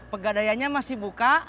pegadayanya masih buka